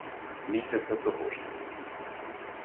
Місяця того ж таки